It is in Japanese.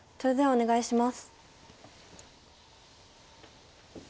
お願いします。